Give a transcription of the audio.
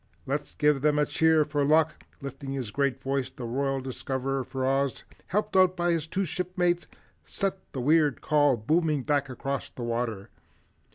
Let's give them a cheer for luck." Lifting his great voice, the Royal Discoverer for Oz, helped out by his two shipmates, sent the weird call booming back across the water.